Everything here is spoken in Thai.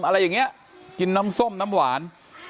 อะไรอย่างนี้กินน้ำส้มน้ำหวาน